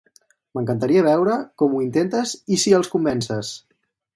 M'encantaria veure com ho intentes i si els convences!